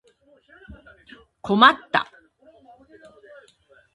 困った